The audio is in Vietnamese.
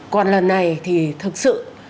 còn lần này thì thật sự